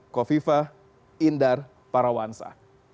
kofifa indar parawansa